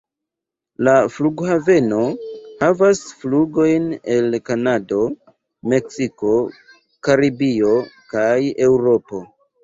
La flughaveno havas flugojn al Kanado, Meksiko, Karibio kaj Eŭropo.